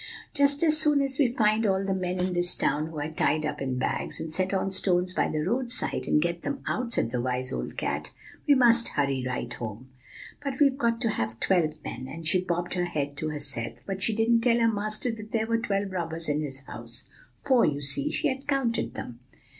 "'Just as soon as we find all the men in this town who are tied up in bags, and set on stones by the roadside, and get them out,' said the wise old cat, 'we must hurry right home. But we've got to have twelve men,' and she bobbed her head to herself; but she didn't tell her master that there were twelve robbers in his house, for, you see, she had counted them.